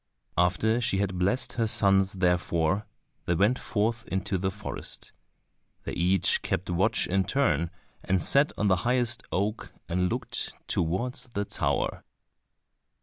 After she had blessed her sons therefore, they went forth into the forest. They each kept watch in turn, and sat on the highest oak and looked towards the tower.